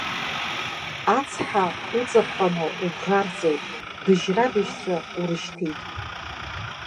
Ацҳа уҵаԥҟаны убӷарҵеит, быжьра-быжьҵәа урышьҭит.